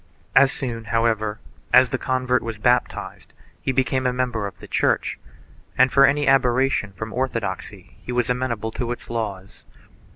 As soon, however, as the convert was baptized he became a member of the Church and for any aberration from orthodoxy he was amenable to its laws.